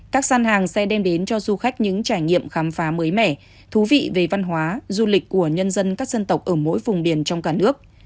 các gian hàng sẽ đem đến cho du khách những trải nghiệm khám phá mới mẻ thú vị về văn hóa du lịch của nhân dân các dân tộc ở mỗi vùng biển trong cả nước